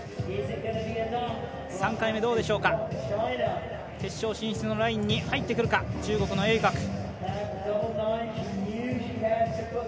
３回目、どうでしょうか決勝進出のラインに入ってくるか中国の栄格。